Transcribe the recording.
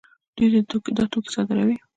دوی دا توکي صادروي.